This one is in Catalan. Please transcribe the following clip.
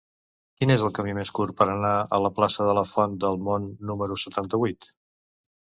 Quin és el camí més curt per anar a la plaça de la Font del Mont número setanta-vuit?